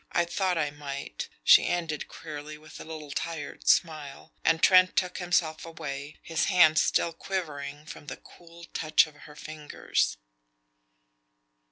I thought I might," she ended queerly, with a little tired smile; and Trent took himself away, his hand still quivering from the cool touch of her fingers.